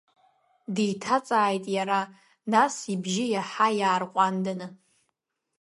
Деиҭаҵааит иара, нас ибжьы иаҳа иаарҟәанданы…